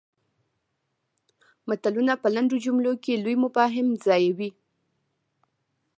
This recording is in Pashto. متلونه په لنډو جملو کې لوی مفاهیم ځایوي